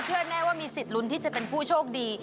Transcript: แน่ว่ามีสิทธิ์ลุ้นที่จะเป็นผู้โชคดี